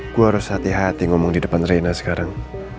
gue harus hati hati ngomong di depan reina sekarang